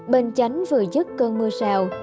bên chánh vừa dứt cơn mưa rào